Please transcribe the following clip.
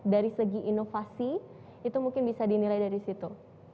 dari segi inovasi itu mungkin bisa dinilai dari situ